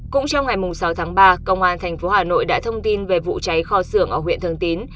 cũng trong ngày sáu tháng ba công an tp hà nội đã thông tin về vụ cháy kho xưởng ở huyện thường tín